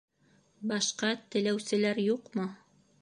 Башҡа теләүселәр юҡмы?